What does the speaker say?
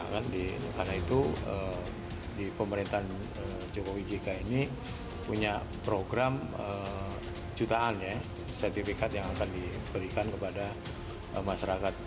karena itu di pemerintahan jokowi jika ini punya program jutaan sertifikat yang akan diberikan kepada masyarakat